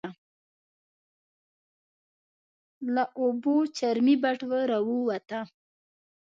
له اوبو چرمي بټوه راووته.